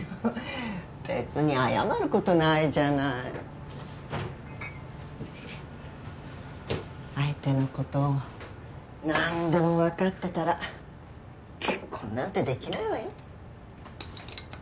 別に謝ることないじゃない相手のこと何でも分かってたら結婚なんてできないわよ